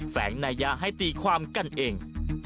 แฝงนายะให้ตีความกันเอง